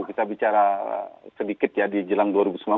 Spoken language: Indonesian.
kita bicara sedikit ya di jelang dua ribu sembilan belas